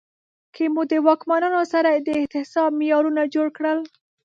که مو د واکمنانو سره د احتساب معیارونه جوړ کړل